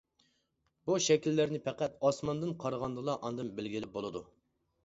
بۇ شەكىللەرنى پەقەت ئاسماندىن قارىغاندىلا ئاندىن بىلگىلى بولىدۇ.